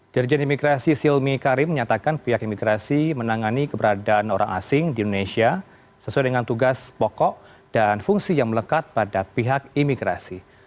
dirjen imigrasi silmi karim menyatakan pihak imigrasi menangani keberadaan orang asing di indonesia sesuai dengan tugas pokok dan fungsi yang melekat pada pihak imigrasi